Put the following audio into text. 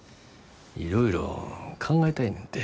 いろいろ考えたいねんて。